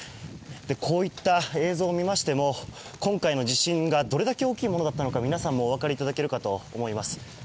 こういった映像を見ましても今回の地震がどれだけ大きいものだったのか皆さんもお分かりいただけるかと思います。